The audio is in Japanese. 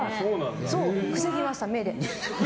防ぎました、目で。